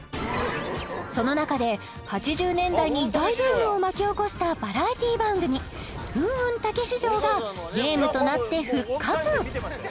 その中で８０年代に大ブームを巻き起こしたバラエティー番組「風雲！たけし城」がゲームとなって復活